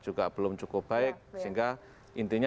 juga belum cukup baik sehingga intinya